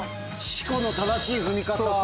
四股の正しい踏み方。